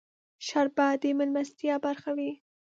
شربت د مېلمستیا برخه وي